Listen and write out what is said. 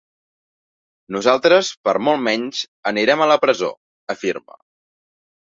Nosaltres, per molt menys, anirem a la presó, afirma.